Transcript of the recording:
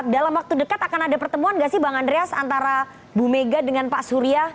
dalam waktu dekat akan ada pertemuan nggak sih bang andreas antara bu mega dengan pak surya